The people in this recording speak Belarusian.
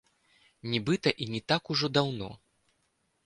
Нібыта і не так ужо даўно.